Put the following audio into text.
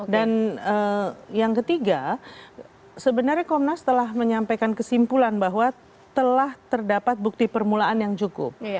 dan yang ketiga sebenarnya komnas telah menyampaikan kesimpulan bahwa telah terdapat bukti permulaan yang cukup